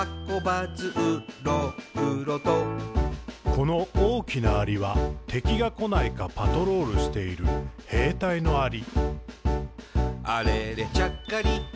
「この大きなアリは、敵がこないか、パトロールしている兵隊のアリ。」